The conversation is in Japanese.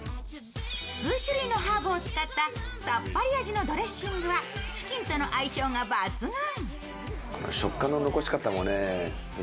数種類のハーブを使ったさっぱり味のドレッシングはチキンとの相性が抜群。